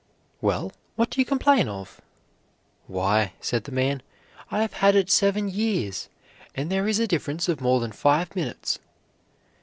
Well, what do you complain of?" "Why," said the man, "I have had it seven years, and there is a difference of more than five minutes."